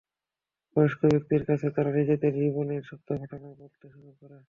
বয়স্ক ব্যক্তির কাছে তারা নিজেদের জীবনের সত্য ঘটনা বলতে শুরু করে।